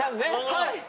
はい！